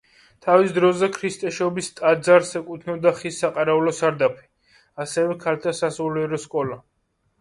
თავის დროზე ქრისტეშობის ტაძარს ეკუთვნოდა ხის საყარაულო სარდაფით, ასევე ქალთა სასულიერო სკოლა.